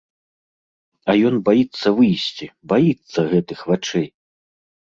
А ён баіцца выйсці, баіцца гэтых вачэй.